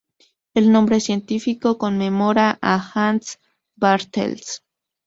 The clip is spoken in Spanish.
El nombre científico conmemora a Hans Bartels.